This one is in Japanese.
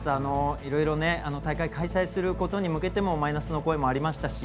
いろいろ大会開催することに向けてもマイナスの声もありましたし。